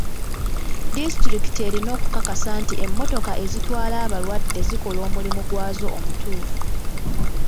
Disitulikiti erina okukakasa nti emmotoka ezitwala abalwadde zikola omulimu gwazo omutuufu.